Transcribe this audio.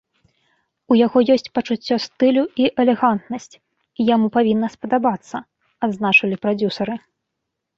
У яго ёсць пачуццё стылю і элегантнасць, і яму павінна спадабацца, адзначылі прадзюсары.